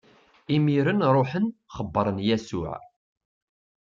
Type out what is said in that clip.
Imiren ṛuḥen, xebbṛen Yasuɛ.